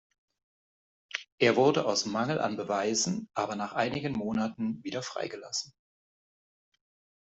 Er wurde aus Mangel an Beweisen aber nach einigen Monaten wieder freigelassen.